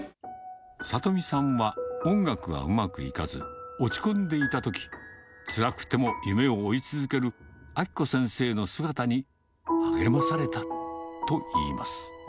さとみさんは、音楽がうまくいかず、落ち込んでいたとき、つらくても夢を追い続ける明子先生の姿に、励まされたといいます。